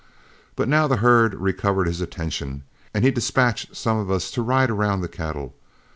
But now the herd recovered his attention, and he dispatched some of us to ride around the cattle.